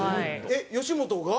えっ吉本が？